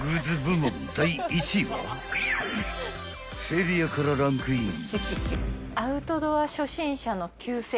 ［セリアからランクイン］